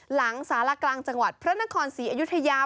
หลังสารกลางจังหวัดพระนครศรีอยุธยา